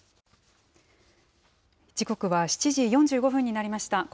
時刻は７時４５分になりました。